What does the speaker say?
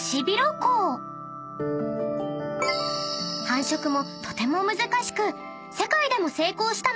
［繁殖もとても難しく］